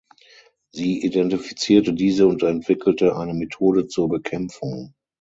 Sie identifizierte diese und entwickelte eine Methode zur Bekämpfung.